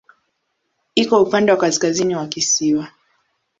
Iko upande wa kaskazini wa kisiwa.